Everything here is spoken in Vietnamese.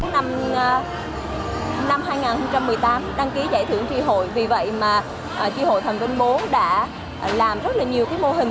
năm hai nghìn một mươi tám đăng ký giải thưởng tri hội vì vậy mà tri hội thành viên bốn đã làm rất nhiều mô hình